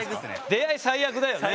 出会い最悪だよね。